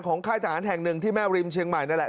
ค่ายทหารแห่งหนึ่งที่แม่ริมเชียงใหม่นั่นแหละ